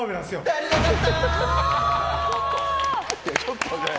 足りなかったあ。